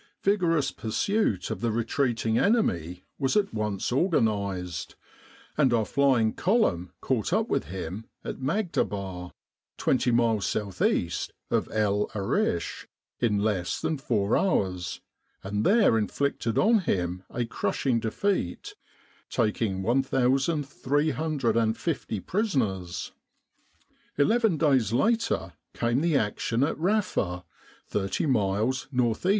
Vigorous pursuit of the retreating enemy was at once organised, and our flying column caught up with him at Maghdaba, twenty miles S.E. of El Arish, in less than four hours, and there inflicted on him a crushing defeat, taking 1,350 prisoners. Eleven days later came the action at Rafa, thirty miles N.E.